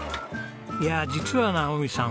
いやあ実は直己さん